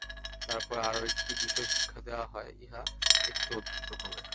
তারপর আর একটি বিষয় শিক্ষা দেওয়া হয়, ইহা একটু অদ্ভুত রকমের।